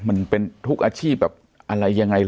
มันเป็นทุกอาชีพแบบอะไรยังไง